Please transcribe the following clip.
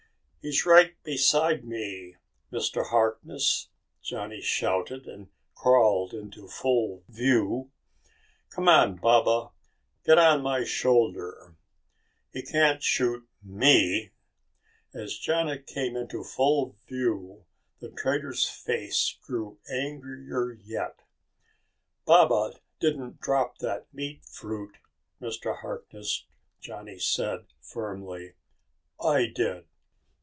"He's right beside me, Mr. Harkness!" Johnny shouted, and crawled into full view. "C'mon, Baba, get on my shoulder. He can't shoot me." As Johnny came into full view, the trader's face grew angrier yet. "Baba didn't drop that meat fruit, Mr. Harkness," Johnny said firmly. "I did."